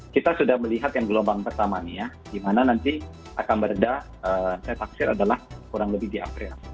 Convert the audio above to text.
kita sudah melihat yang gelombang pertama di mana nanti akan berada saya taksir adalah kurang lebih di april